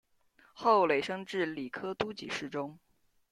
后累升至礼科都给事中。